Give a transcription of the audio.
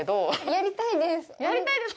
やりたいです。